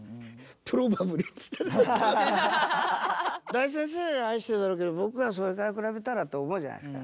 大先生は愛してるだろうけど僕はそれから比べたらと思うじゃないですか。